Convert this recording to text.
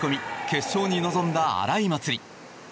決勝に臨んだ荒井祭里。